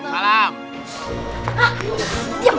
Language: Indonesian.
itu konsepnya sama siapa